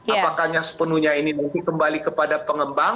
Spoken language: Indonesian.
apakannya sepenuhnya ini nanti kembali kepada pengembang